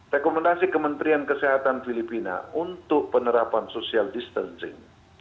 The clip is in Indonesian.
rekomendasi kementerian kesehatan filipina untuk penerapan social distancing